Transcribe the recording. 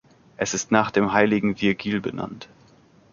Es ist nach dem Heiligen Virgil benannt.